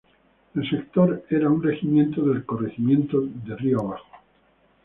El sector era un regimiento del corregimiento de Río Abajo.